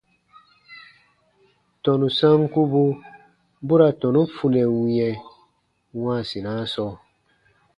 Tɔnu sankubu bu ra tɔnu funɛ wĩɛ wãasinaa sɔɔ.